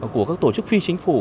của các tổ chức phi chính phủ